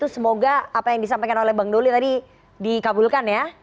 semoga apa yang disampaikan oleh bang doli tadi dikabulkan ya